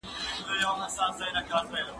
زه به قلم استعمالوم کړی وي؟!